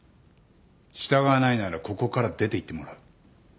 従わないならここから出ていってもらう。